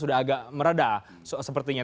sudah agak meredah sepertinya